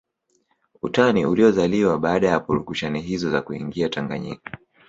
Utani uliozaliwa baada ya purukushani hizo za kuingia Tanganyika